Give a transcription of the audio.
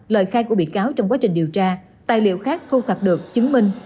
lời khai của bị cáo trong quá trình điều tra tài liệu khác thu thập được chứng minh